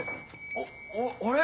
おっあれ？